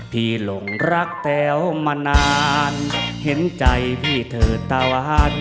หลงรักแต้วมานานเห็นใจพี่เถิดตะวัน